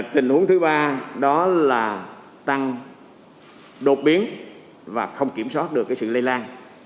tình huống thứ ba đó là tăng đột biến và không kiểm soát được sự lây lan